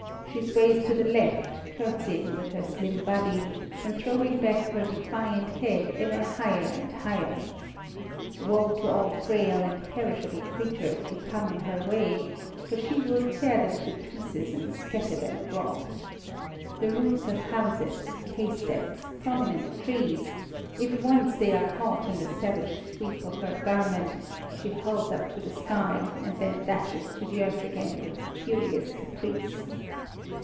She sways to the left, curtseying with her slim body, and throwing back her defiant head ever higher and higher. Woe to all frail and perishable creatures who come in her way, for she will tear them to pieces and scatter them abroad. The roofs of houses, haystacks, prominent trees, if once they are caught in the savage sweep of her garment, she hurls up to the sky, and then dashes to the earth again with furious caprice.